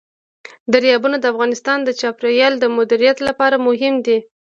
دریابونه د افغانستان د چاپیریال د مدیریت لپاره مهم دي.